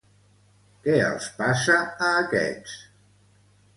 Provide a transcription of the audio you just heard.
Què els passa a aquests?